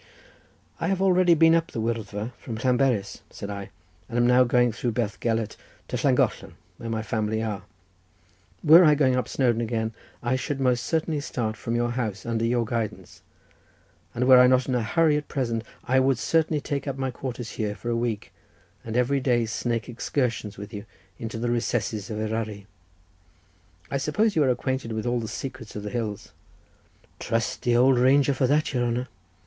"I have already been up the Wyddfa from Llanberis," said I, "and am now going through Bethgelert to Llangollen, where my family are; were I going up Snowdon again, I should most certainly start from your house under your guidance, and were I not in a hurry at present, I would certainly take up my quarters here for a week, and every day make excursions with you into the recesses of Eryri. I suppose you are acquainted with all the secrets of the hills?" "Trust the old ranger for that, your honour.